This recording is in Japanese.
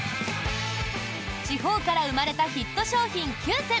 地方から生まれたヒット商品９選。